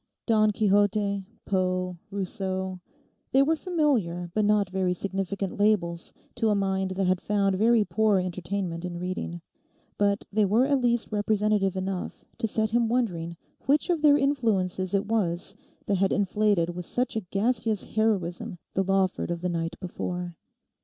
Don Quixote, Poe, Rousseau—they were familiar but not very significant labels to a mind that had found very poor entertainment in reading. But they were at least representative enough to set him wondering which of their influences it was that had inflated with such a gaseous heroism the Lawford of the night before.